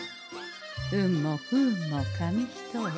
運も不運も紙一重。